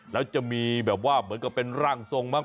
แล้วจะมีแบบว่าเหมือนกับเป็นร่างทรงมั้